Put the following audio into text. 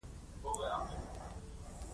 په کلي کې ماشومان داسې پارېدلي وو.